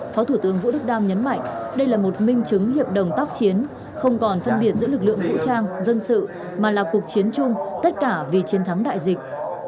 phó thủ tướng vũ đức đam nhấn mạnh đây là một minh chứng hiệp đồng tác chiến không còn phân biệt giữa lực lượng vũ trang dân sự mà là cuộc chiến chung tất cả vì chiến thắng đại dịch